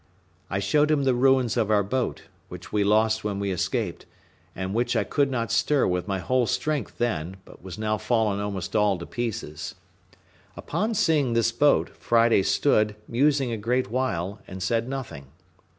I showed him the ruins of our boat, which we lost when we escaped, and which I could not stir with my whole strength then; but was now fallen almost all to pieces. Upon seeing this boat, Friday stood, musing a great while, and said nothing.